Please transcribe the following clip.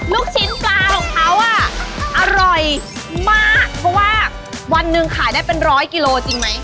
ลูกชิ้นปลาของเขาอ่ะอร่อยมากเพราะว่าวันหนึ่งขายได้เป็นร้อยกิโลจริงไหม